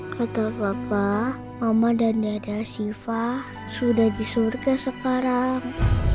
kata bapak mama dan dada siva sudah di surga sekarang